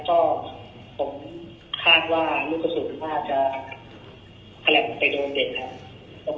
ก็พอดูข่าวแล้วลูกภาษาหน้าที่ว่าไปโดนเด็กนะครับ